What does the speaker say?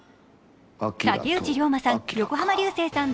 竹内涼真さん